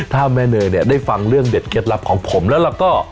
ถ้าแม่เนยเนี่ยได้ฟังเรื่องเด็ดเคล็ดลับของผมแล้วเราก็